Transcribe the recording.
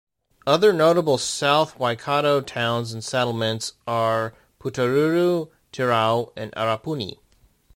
Other notable South Waikato towns and settlements are Putaruru, Tirau and Arapuni.